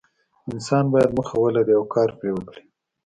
انسان باید موخه ولري او کار پرې وکړي.